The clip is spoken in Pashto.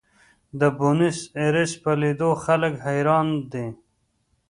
د بونیس ایرس په لیدو خلک حیران دي.